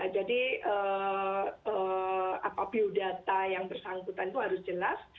jadi biodata yang bersangkutan itu harus jelas